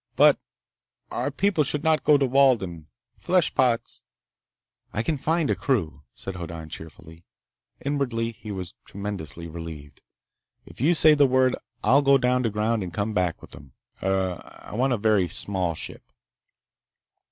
But ... our people should not go to Walden. Fleshpots—" "I can find a crew," said Hoddan cheerfully. Inwardly he was tremendously relieved. "If you say the word, I'll go down to ground and come back with them. Er ... I'll want a very small ship!"